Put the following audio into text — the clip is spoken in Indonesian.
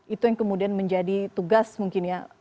itu yang kemudian menjadi tugas mungkin ya